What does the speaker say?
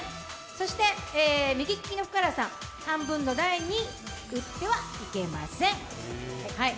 そして右利きの福原さん、半分の台に打ってはいけません。